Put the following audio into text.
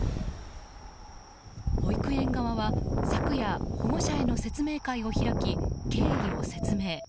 保育園側は、昨夜保護者への説明会を開き経緯を説明。